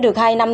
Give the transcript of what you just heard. được hai năm